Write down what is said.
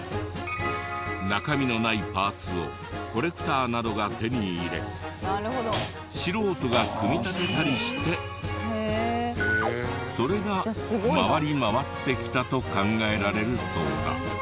中身のないパーツをコレクターなどが手に入れ素人が組み立てたりしてそれが回り回ってきたと考えられるそうだ。